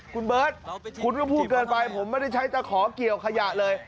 คุณเบิร์ตคุณก็พูดเกินไปผมไม่ได้ใช้ตะขอเกี่ยวขยะเลย